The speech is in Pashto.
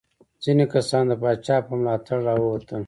ځینې کسان د پاچا په ملاتړ راووتل.